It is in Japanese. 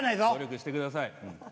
努力してください。